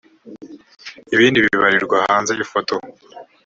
ibindi bibarirwa hanze y ifoto